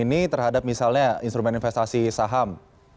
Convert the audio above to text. ini terhadap misalnya instrumen investasi saham